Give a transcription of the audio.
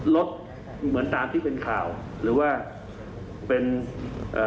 เหมือนตามที่เป็นข่าวหรือว่าเป็นเอ่อ